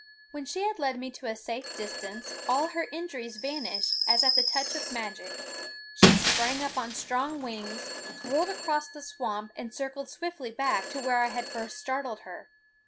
When she had led me to a safe distance all her injuries vanished as at the touch of magic. She sprang up on strong wings, whirled across the swamp and circled swiftly back to where I had first started her.